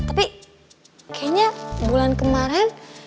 tapi kayaknya bulan kemarin